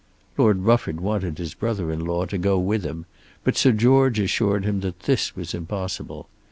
Lord Rufford wanted his brother in law to go with him; but Sir George assured him that this was impossible.